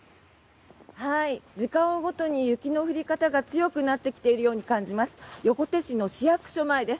時間を追うごとに雪の降り方が強くなってきているように感じます。